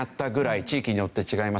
地域によって違いますけど。